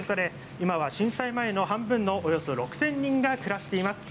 今は震災前の半分の６０００人が暮らしています。